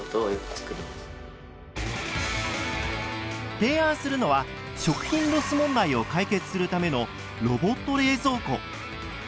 提案するのは食品ロス問題を解決するためのロボット冷蔵庫！